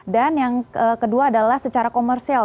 dan yang kedua adalah secara komersial